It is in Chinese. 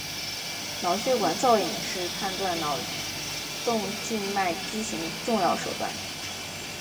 脑血管造影是诊断脑动静脉畸形的重要手段。